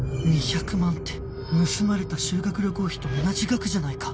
２００万って盗まれた修学旅行費と同じ額じゃないか！